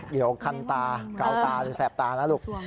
เดี๋ยวคันตาเก่าตาหรือแสบตานะลูก